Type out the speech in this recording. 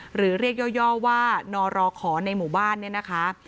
หรือเรียกย่อว่านรขอในหมู่บ้านเนี่ยนะคะ